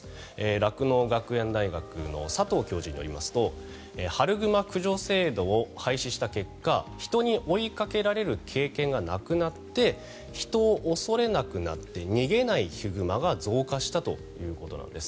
酪農学園大学の佐藤教授によりますと春グマ駆除制度を廃止した結果人に追いかけられる経験がなくなって人を恐れなくなって逃げないヒグマが増加したということなんです。